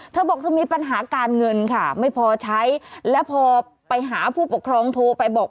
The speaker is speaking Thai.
เธอบอกเธอมีปัญหาการเงินค่ะไม่พอใช้และพอไปหาผู้ปกครองโทรไปบอก